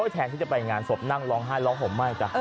แทนที่จะไปงานศพนั่งร้องไห้ร้องห่มไหม้จ้ะ